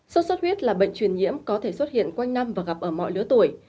sốt xuất huyết là bệnh truyền nhiễm có thể xuất hiện quanh năm và gặp ở mọi lứa tuổi